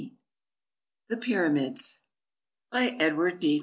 AFRICA The Pyramids By EDWARD D.